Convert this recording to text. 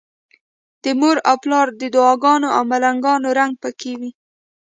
د مور او پلار د دعاګانو او ملنګانو رنګ پکې وي.